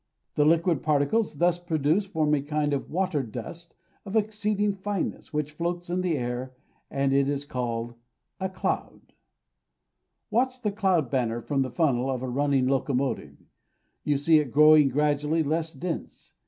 The liquid particles thus produced form a kind of water dust of exceeding fineness, which floats in the air, and is called a cloud. Watch the cloud banner from the funnel of a running locomotive; you see it growing gradually less dense.